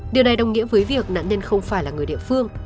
điều này đồng nghĩa với việc nạn nhân không phải là người địa phương